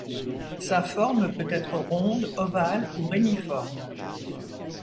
Sa forme peut être ronde, ovale ou réniforme.